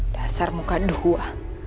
dasar muka dua